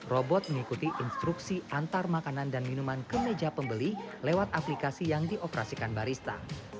robot mengikuti instruksi antar makanan dan minuman ke meja pembeli lewat aplikasi yang dioperasikan barista